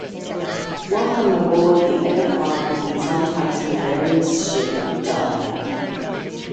Welcome aboard the edifying and sometimes hilarious ship Dyer.